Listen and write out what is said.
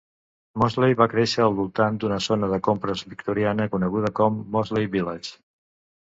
Moseley va créixer al voltant d'una zona de compres victoriana coneguda com "Moseley Village".